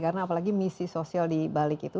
karena apalagi misi sosial di balik itu